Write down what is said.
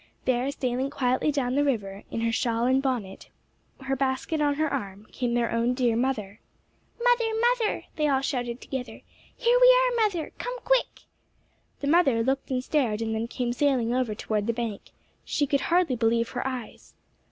There, sailing quietly down the river, in her shawl and bonnet, her basket on her arm, came their own dear mother. "Mother! Mother!" they shouted all together. "Here we are, mother! Come quick!" The mother looked and stared and then came sailing over toward the bank. She could hardly believe her eyes.